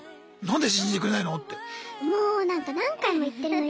何で信じてくれないの！って。